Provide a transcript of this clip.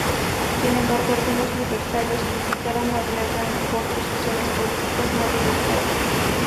Sin embargo, algunos libertarios criticaron a Reagan por posiciones políticas no libertarias.